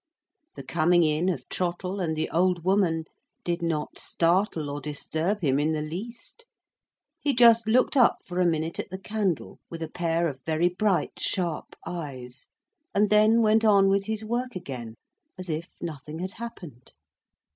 The coming in of Trottle and the old woman did not startle or disturb him in the least. He just looked up for a minute at the candle, with a pair of very bright, sharp eyes, and then went on with his work again, as if nothing had happened.